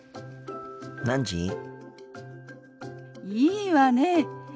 いいわね。